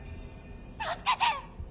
助けて！